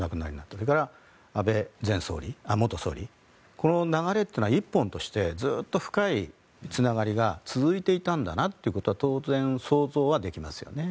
それから安倍前総理、元総理この流れというのは１本としてずっと深いつながりが続いていたんだなということは当然、想像はできますよね。